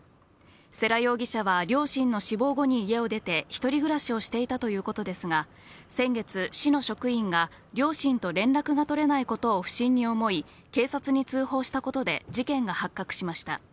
世羅容疑者は両親の死亡後に家を出て、１人暮らしをしていたということですが、先月、市の職員が両親と連絡が取れないことを不審に思い、警察に通報したことで事件が発覚しました。